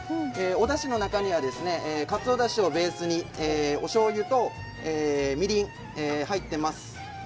おだしの中にはかつおだしをベースにおしょうゆとみりん入っています。